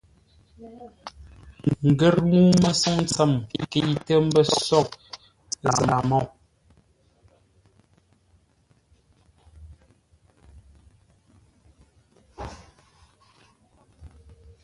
Ngər ŋuu-məsoŋ tsəm nkəitə́ mbə́ soghʼə Zaa-Môu.